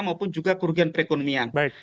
maupun juga kerugian perekonomian